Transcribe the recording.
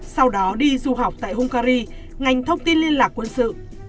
sau đó đi du học tại hungary ngành thông tin liên lạc quân sự